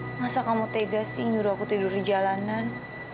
nggak usah kamu tegas nyuruh aku tidur di jalanan